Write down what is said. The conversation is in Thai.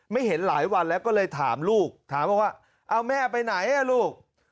ไม่เห็นหลายวันแล้วก็เลยถามลูกถามบอกว่าเอาแม่ไปไหนอ่ะลูก